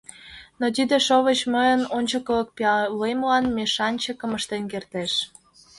Но тиде шовыч мыйын ончыкылык пиалемлан мешанчыкым ыштен кертеш.